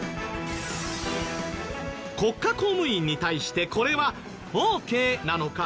国家公務員に対してこれはオーケーなのか？